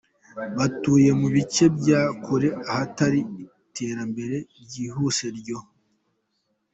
batuye mu bice bya kure ahatari iterambere ryihuse ryo.